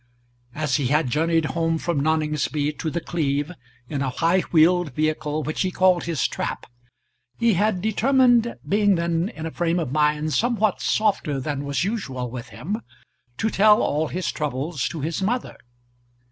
As he had journeyed home from Noningsby to The Cleeve in a high wheeled vehicle which he called his trap, he had determined, being then in a frame of mind somewhat softer than was usual with him, to tell all his troubles to his mother.